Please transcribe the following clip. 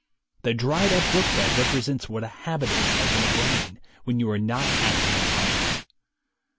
The dried up brook bed represents what a habit is like in the brain when you are not acting upon it.